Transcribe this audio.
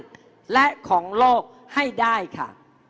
และของโลกให้ได้ค่ะ